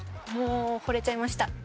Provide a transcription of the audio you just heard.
もう惚れちゃいました。